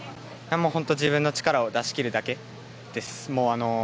本当、自分の力を出しきるだけです。